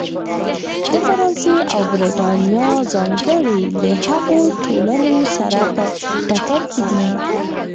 د فرانسې او برېټانیا ځانګړنې له هغو ټولنو سره په ټکر کې دي.